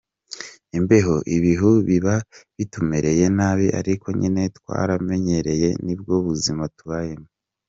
Imbeho, imibu biba bitumereye nabi ariko nyine twaramenyereye nibwo buzima tubayemo.